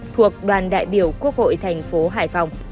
thuộc đoàn đại biểu quốc hội tp hải phòng